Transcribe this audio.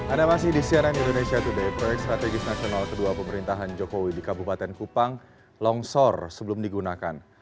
anda masih di cnn indonesia today proyek strategis nasional kedua pemerintahan jokowi di kabupaten kupang longsor sebelum digunakan